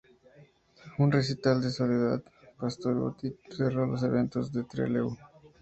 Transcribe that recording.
Un recital de Soledad Pastorutti cerró los eventos de Trelew.